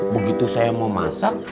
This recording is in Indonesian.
begitu saya mau masak